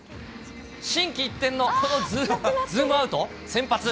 心機一転のこのズームアウト、先発。